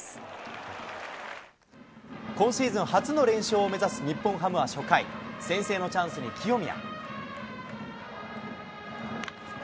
今シーズン初の連勝を目指す日本ハムは初回、先制のチャンスに清宮。